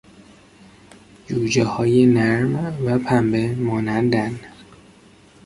جوجههای نرم و پنبه مانند ن